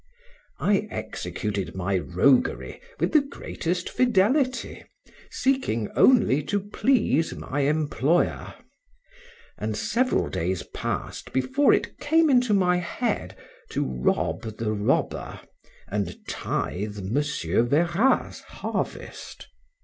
I executed my roguery with the greatest fidelity, seeking only to please my employer; and several days passed before it came into my head, to rob the robber, and tithe Mr. Verrat's harvest.